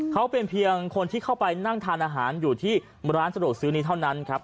เขาเป็นเพียงคนที่เข้าไปนั่งทานอาหารอยู่ที่ร้านสะดวกซื้อนี้เท่านั้นครับ